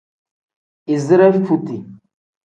Izire futi.